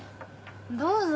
どうぞ。